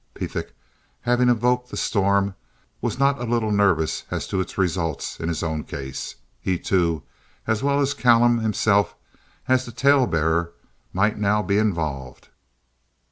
Pethick, having evoked the storm, was not a little nervous as to its results in his own case. He, too, as well as Callum, himself as the tale bearer, might now be involved.